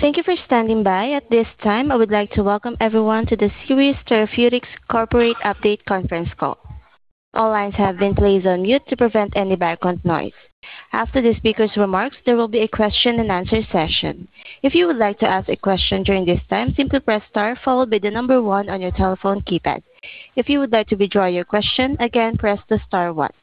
Thank you for standing by. At this time, I would like to welcome everyone to the Seres Therapeutics Corporate Update Conference Call. All lines have been placed on mute to prevent any background noise. After the speaker's remarks, there will be a question and answer session. If you would like to ask a question during this time, simply press star followed by the number one on your telephone keypad. If you would like to withdraw your question, again, press the star one.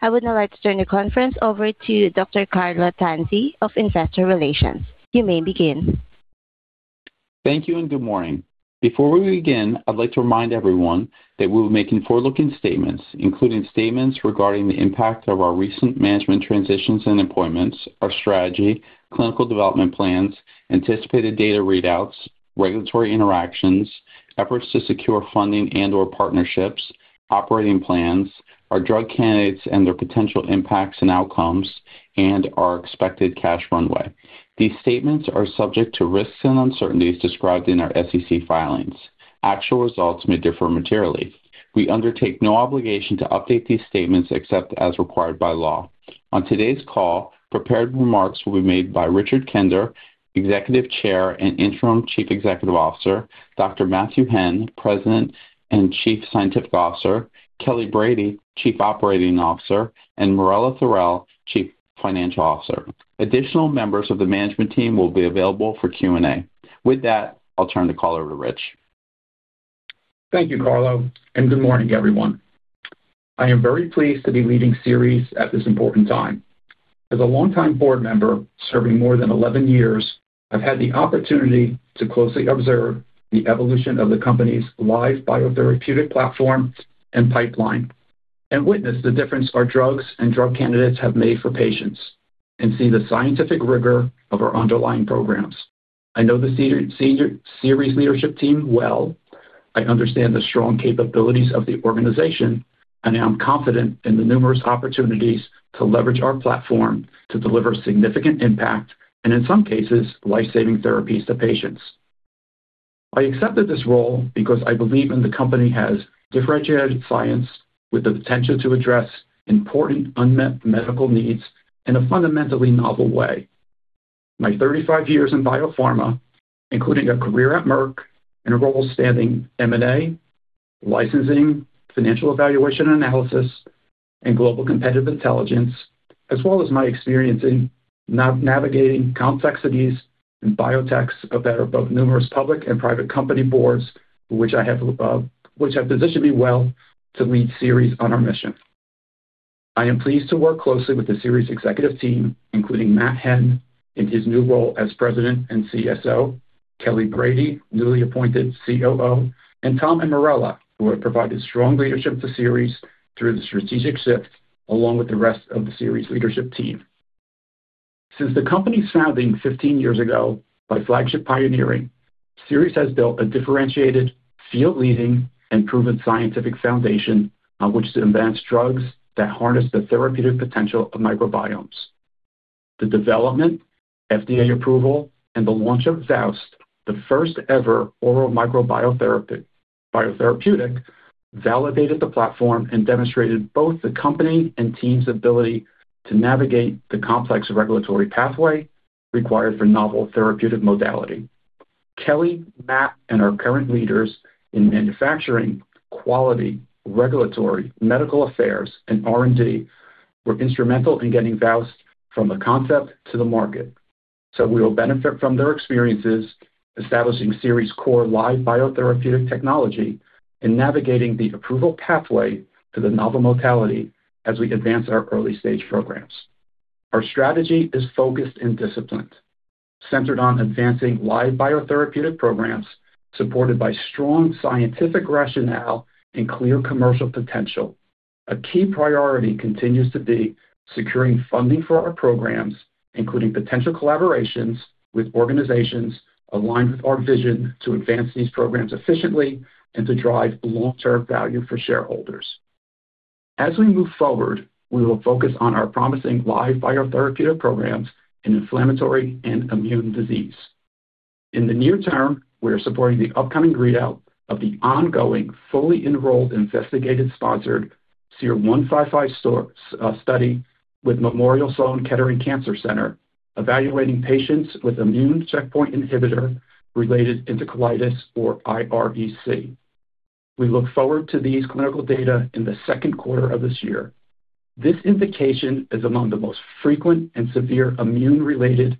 I would now like to turn the conference over to Dr. Carlo Tanzi of Investor Relations. You may begin. Thank you and good morning. Before we begin, I'd like to remind everyone that we're making forward-looking statements, including statements regarding the impact of our recent management transitions and appointments, our strategy, clinical development plans, anticipated data readouts, regulatory interactions, efforts to secure funding and/or partnerships, operating plans, our drug candidates and their potential impacts and outcomes, and our expected cash runway. These statements are subject to risks and uncertainties described in our SEC filings. Actual results may differ materially. We undertake no obligation to update these statements except as required by law. On today's call, prepared remarks will be made by Richard Kender, Executive Chair and Interim Chief Executive Officer, Dr. Matthew Henn, President and Chief Scientific Officer, Kelly Brady, Chief Operating Officer, and Marella Thorell, Chief Financial Officer. Additional members of the management team will be available for Q&A. With that, I'll turn the call over to Rich. Thank you, Carlo. Good morning, everyone. I am very pleased to be leading Seres at this important time. As a longtime board member serving more than 11 years, I've had the opportunity to closely observe the evolution of the company's live biotherapeutic platform and pipeline and witness the difference our drugs and drug candidates have made for patients and see the scientific rigor of our underlying programs. I know the Seres leadership team well. I understand the strong capabilities of the organization. I'm confident in the numerous opportunities to leverage our platform to deliver significant impact and, in some cases, life-saving therapies to patients. I accepted this role because I believe in the company has differentiated science with the potential to address important unmet medical needs in a fundamentally novel way. My 35 years in biopharma, including a career at Merck in a role spanning M&A, licensing, financial evaluation analysis, and global competitive intelligence, as well as my experience in navigating complexities in biotechs that are both numerous public and private company boards, which I have, which have positioned me well to lead Seres on our mission. I am pleased to work closely with the Seres executive team, including Matt Henn in his new role as President and CSO, Kelly Brady, newly appointed COO, and Tom and Marela, who have provided strong leadership to Seres through the strategic shift, along with the rest of the Seres leadership team. Since the company's founding 15 years ago by Flagship Pioneering, Seres has built a differentiated field leading and proven scientific foundation on which to advance drugs that harness the therapeutic potential of microbiomes. The development, FDA approval, and the launch of VOWST, the first ever oral microbiome therapeutic, validated the platform and demonstrated both the company and team's ability to navigate the complex regulatory pathway required for novel therapeutic modality. Kelly, Matt, and our current leaders in manufacturing, quality, regulatory, medical affairs, and R&D were instrumental in getting VOWST from the concept to the market. We will benefit from their experiences establishing Seres' core live biotherapeutic technology and navigating the approval pathway to the novel modality as we advance our early-stage programs. Our strategy is focused and disciplined, centered on advancing live biotherapeutic programs supported by strong scientific rationale and clear commercial potential. A key priority continues to be securing funding for our programs, including potential collaborations with organizations aligned with our vision to advance these programs efficiently and to drive long-term value for shareholders. As we move forward, we will focus on our promising live biotherapeutic programs in inflammatory and immune disease. In the near term, we are supporting the upcoming readout of the ongoing, fully enrolled investigator-sponsored SER-155 study with Memorial Sloan Kettering Cancer Center, evaluating patients with immune checkpoint inhibitor-related colitis or irEC. We look forward to these clinical data in the second quarter of this year. This indication is among the most frequent and severe immune-related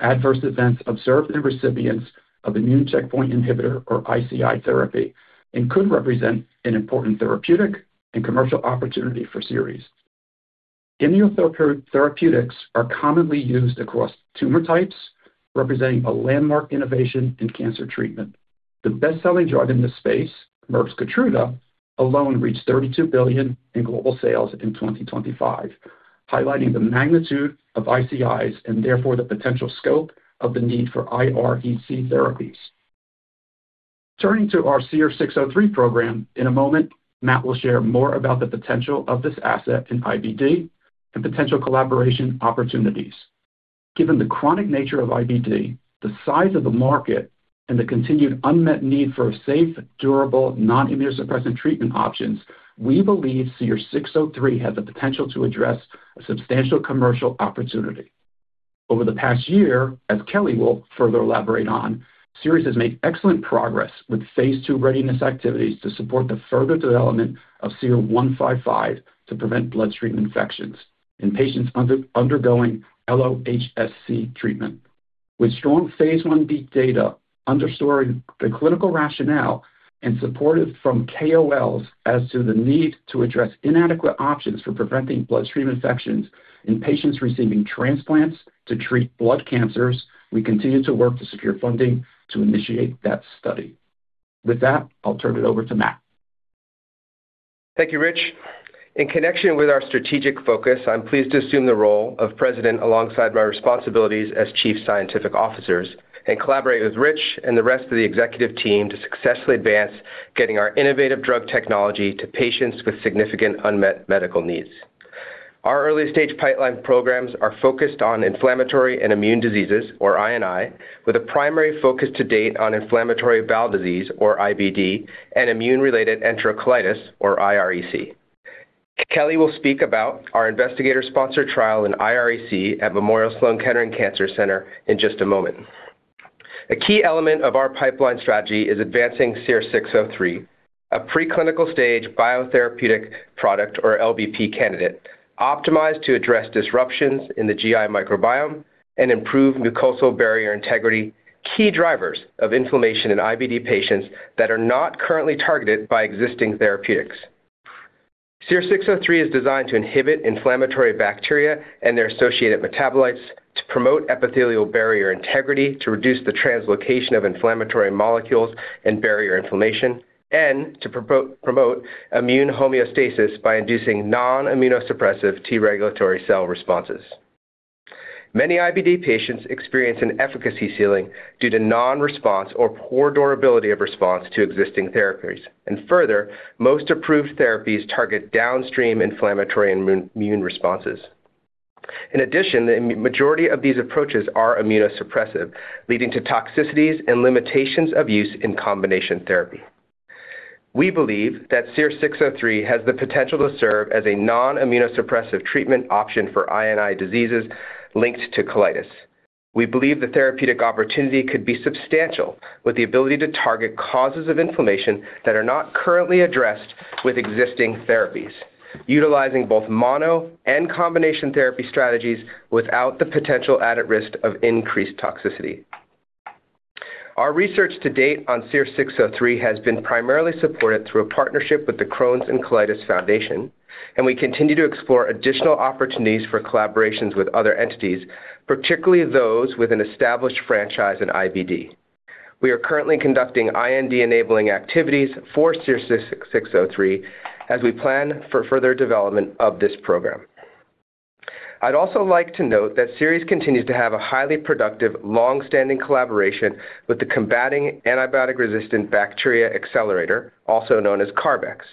adverse events observed in recipients of immune checkpoint inhibitor or ICI therapy and could represent an important therapeutic and commercial opportunity for Seres. Immunotherapeutics are commonly used across tumor types, representing a landmark innovation in cancer treatment. The best-selling drug in this space, Merck's Keytruda, alone reached $32 billion in global sales in 2025, highlighting the magnitude of ICIs and therefore the potential scope of the need for irEC therapies. Turning to our SER-603 program, in a moment, Matt will share more about the potential of this asset in IBD and potential collaboration opportunities. Given the chronic nature of IBD, the size of the market. The continued unmet need for safe, durable, non-immunosuppressant treatment options, we believe SER-603 has the potential to address a substantial commercial opportunity. Over the past year, as Kelly will further elaborate on, Seres has made excellent progress with phase 2 readiness activities to support the further development of SER-155 to prevent bloodstream infections in patients undergoing allo-HSCT treatment. With strong phase 1B data underscoring the clinical rationale and supportive from KOLs as to the need to address inadequate options for preventing bloodstream infections in patients receiving transplants to treat blood cancers, we continue to work to secure funding to initiate that study. With that, I'll turn it over to Matt. Thank you, Rich. In connection with our strategic focus, I'm pleased to assume the role of President alongside my responsibilities as Chief Scientific Officer and collaborate with Rich and the rest of the executive team to successfully advance getting our innovative drug technology to patients with significant unmet medical needs. Our early-stage pipeline programs are focused on inflammatory and immune diseases, or I&I, with a primary focus to date on inflammatory bowel disease, or IBD, and immune-related enterocolitis, or irEC. Kelly will speak about our investigator sponsor trial in irEC at Memorial Sloan Kettering Cancer Center in just a moment. A key element of our pipeline strategy is advancing SER-603, a preclinical stage biotherapeutic product or LBP candidate optimized to address disruptions in the GI microbiome and improve mucosal barrier integrity, key drivers of inflammation in IBD patients that are not currently targeted by existing therapeutics. SER-603 is designed to inhibit inflammatory bacteria and their associated metabolites, to promote epithelial barrier integrity, to reduce the translocation of inflammatory molecules and barrier inflammation, and to promote immune homeostasis by inducing non-immunosuppressive Regulatory T cell responses. Many IBD patients experience an efficacy ceiling due to non-response or poor durability of response to existing therapies. Further, most approved therapies target downstream inflammatory and immune responses. In addition, the majority of these approaches are immunosuppressive, leading to toxicities and limitations of use in combination therapy. We believe that SER-603 has the potential to serve as a non-immunosuppressive treatment option for I&I diseases linked to colitis. We believe the therapeutic opportunity could be substantial with the ability to target causes of inflammation that are not currently addressed with existing therapies, utilizing both mono and combination therapy strategies without the potential added risk of increased toxicity. Our research to date on SER-603 has been primarily supported through a partnership with the Crohn's & Colitis Foundation. We continue to explore additional opportunities for collaborations with other entities, particularly those with an established franchise in IBD. We are currently conducting IND-enabling activities for SER-603 as we plan for further development of this program. I'd also like to note that Seres continues to have a highly productive, long-standing collaboration with the Combating Antibiotic-Resistant Bacteria Biopharmaceutical Accelerator, also known as CARB-X.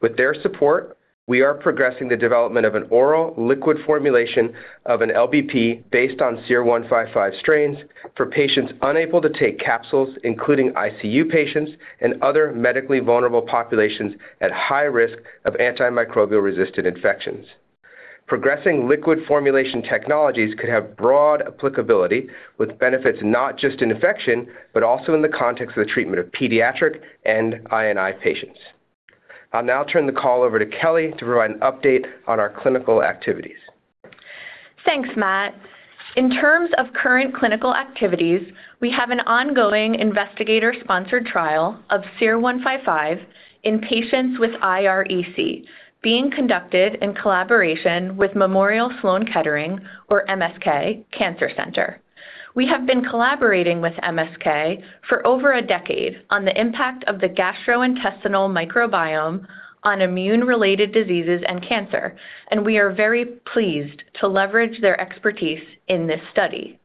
With their support, we are progressing the development of an oral liquid formulation of an LBP based on SER-155 strains for patients unable to take capsules, including ICU patients and other medically vulnerable populations at high risk of antimicrobial-resistant infections. Progressing liquid formulation technologies could have broad applicability with benefits not just in infection, but also in the context of the treatment of pediatric and I&I patients. I'll now turn the call over to Kelly to provide an update on our clinical activities. Thanks, Matt. In terms of current clinical activities, we have an ongoing investigator-sponsored trial of SER-155 in patients with irEC being conducted in collaboration with Memorial Sloan Kettering, or MSK, Cancer Center. We have been collaborating with MSK for over a decade on the impact of the gastrointestinal microbiome on immune-related diseases and cancer. We are very pleased to leverage their expertise in this study.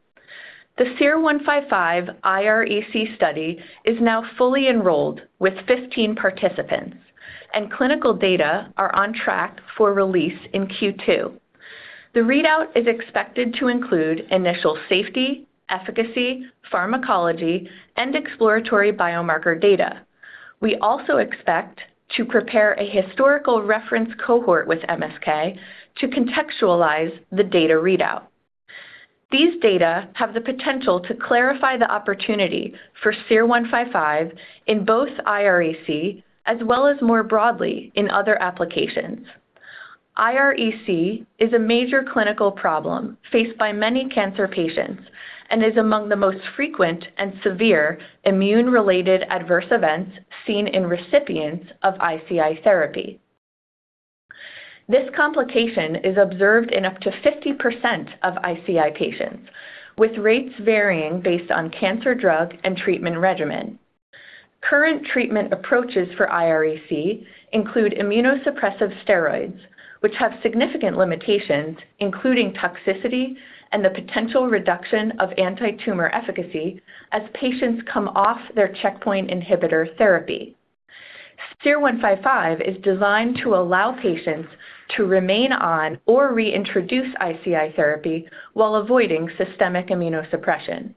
The SER-155 irEC study is now fully enrolled with 15 participants and clinical data are on track for release in Q2. The readout is expected to include initial safety, efficacy, pharmacology, and exploratory biomarker data. We also expect to prepare a historical reference cohort with MSK to contextualize the data readout. These data have the potential to clarify the opportunity for SER-155 in both irEC as well as more broadly in other applications. irEC is a major clinical problem faced by many cancer patients and is among the most frequent and severe immune-related adverse events seen in recipients of ICI therapy. This complication is observed in up to 50% of ICI patients, with rates varying based on cancer drug and treatment regimen. Current treatment approaches for irEC include immunosuppressive steroids, which have significant limitations, including toxicity and the potential reduction of antitumor efficacy as patients come off their checkpoint inhibitor therapy. SER-155 is designed to allow patients to remain on or reintroduce ICI therapy while avoiding systemic immunosuppression.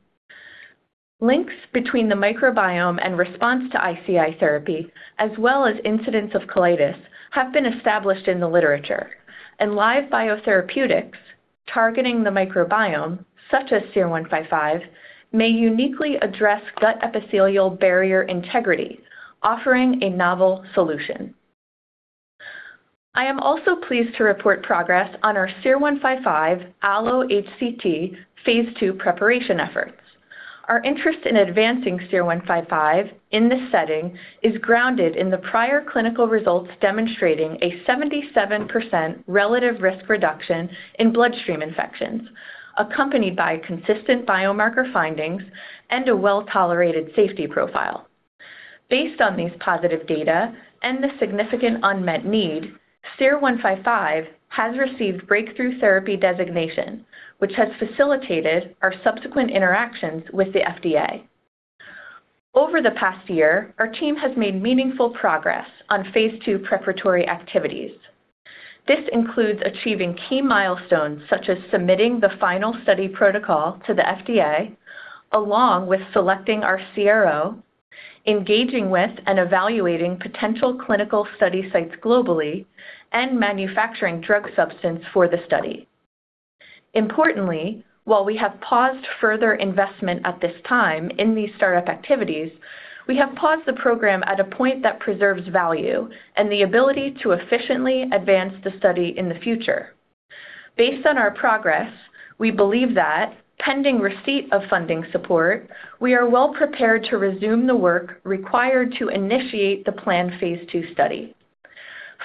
Links between the microbiome and response to ICI therapy, as well as incidents of colitis, have been established in the literature. Live biotherapeutics targeting the microbiome such as SER-155 may uniquely address gut epithelial barrier integrity, offering a novel solution. I am also pleased to report progress on our SER-155 Allo-HSCT phase II preparation efforts. Our interest in advancing SER-155 in this setting is grounded in the prior clinical results, demonstrating a 77% relative risk reduction in bloodstream infections, accompanied by consistent biomarker findings and a well-tolerated safety profile. Based on these positive data and the significant unmet need, SER-155 has received breakthrough therapy designation, which has facilitated our subsequent interactions with the FDA. Over the past year, our team has made meaningful progress on phase II preparatory activities. This includes achieving key milestones such as submitting the final study protocol to the FDA, along with selecting our CRO, engaging with and evaluating potential clinical study sites globally, and manufacturing drug substance for the study. Importantly, while we have paused further investment at this time in these start-up activities, we have paused the program at a point that preserves value and the ability to efficiently advance the study in the future. Based on our progress, we believe that pending receipt of funding support, we are well prepared to resume the work required to initiate the planned phase II study.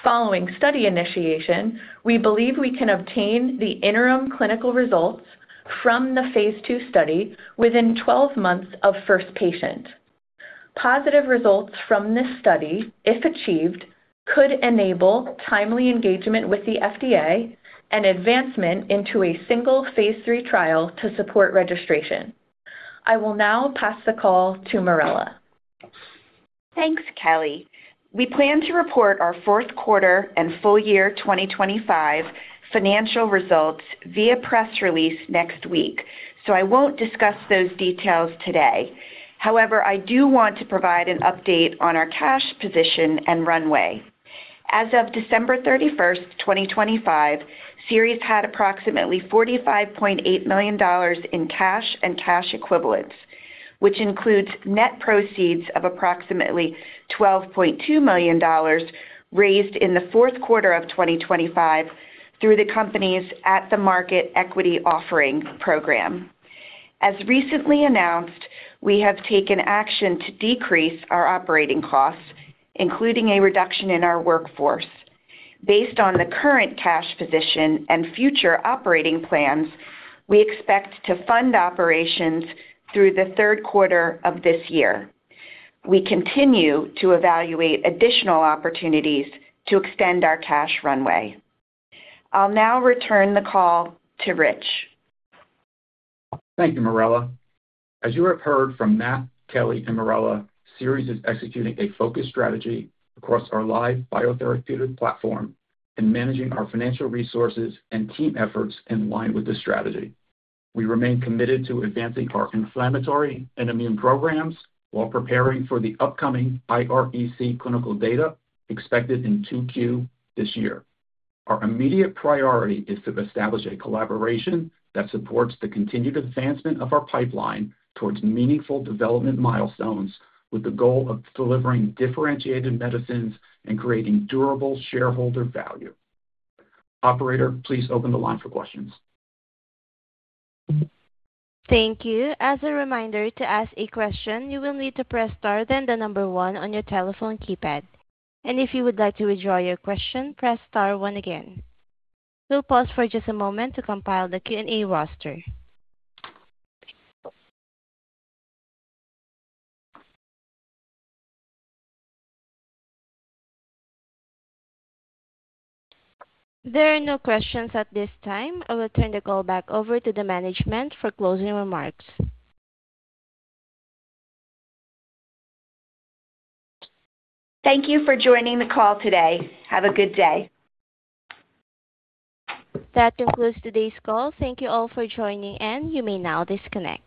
Following study initiation, we believe we can obtain the interim clinical results from the phase II study within 12 months of first patient. Positive results from this study, if achieved, could enable timely engagement with the FDA and advancement into a single phase III trial to support registration. I will now pass the call to Marella. Thanks, Kelly. We plan to report our fourth quarter and full year 2025 financial results via press release next week, so I won't discuss those details today. However, I do want to provide an update on our cash position and runway. As of December 31st, 2025, Seres had approximately $45.8 million in cash and cash equivalents, which includes net proceeds of approximately $12.2 million raised in the fourth quarter of 2025 through the company's at-the-market equity offering program. As recently announced, we have taken action to decrease our operating costs, including a reduction in our workforce. Based on the current cash position and future operating plans, we expect to fund operations through the third quarter of this year. We continue to evaluate additional opportunities to extend our cash runway. I'll now return the call to Rich. Thank you, Marella. As you have heard from Matt, Kelly, and Marella, Seres is executing a focused strategy across our live biotherapeutic platform and managing our financial resources and team efforts in line with the strategy. We remain committed to advancing our inflammatory and immune programs while preparing for the upcoming irEC clinical data expected in Q2 this year. Our immediate priority is to establish a collaboration that supports the continued advancement of our pipeline towards meaningful development milestones with the goal of delivering differentiated medicines and creating durable shareholder value. Operator, please open the line for questions. Thank you. As a reminder, to ask a question, you will need to press star, then the number one on your telephone keypad, and if you would like to withdraw your question, press star one again. We'll pause for just a moment to compile the Q&A roster. There are no questions at this time. I will turn the call back over to the management for closing remarks. Thank you for joining the call today. Have a good day. That concludes today's call. Thank you all for joining. You may now disconnect.